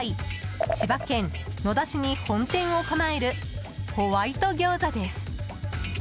千葉県野田市に本店を構えるホワイト餃子です。